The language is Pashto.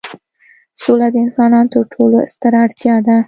سوله د انسانانو تر ټولو ستره اړتیا ده.